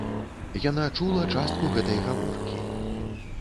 Яна чула частку гэтай гаворкі.